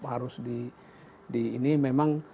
harus di ini memang